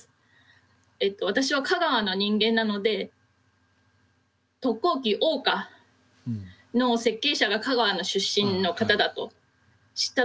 私は香川の人間なので特攻機桜花の設計者が香川の出身の方だと知った時はショックでした。